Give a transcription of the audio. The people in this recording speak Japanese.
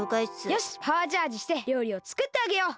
よしパワーチャージしてりょうりをつくってあげよう。